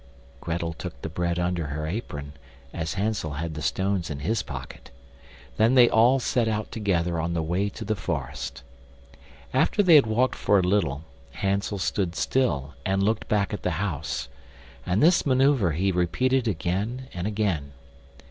Grettel took the bread under her apron, as Hansel had the stones in his pocket. Then they all set out together on the way to the forest. After they had walked for a little, Hansel stood still and looked back at the house, and this maneuver he repeated again and again.